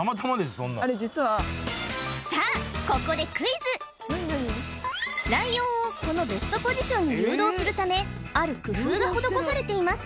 そんなんあれ実はさあここでクイズライオンをこのベストポジションに誘導するためある工夫が施されています